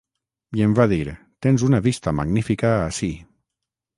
I em va dir, tens una vista magnífica ací.